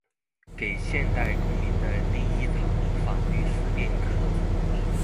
給現代公民的第一堂法律思辨課